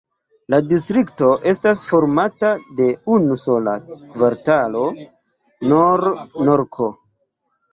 La distrikto estas formata de unu sola kvartalo: Nor-Norko.